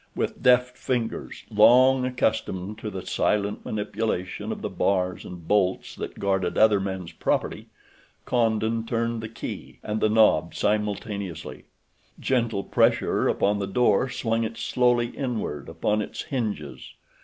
With deft fingers, long accustomed to the silent manipulation of the bars and bolts that guarded other men's property, Condon turned the key and the knob simultaneously. Gentle pressure upon the door swung it slowly inward upon its hinges.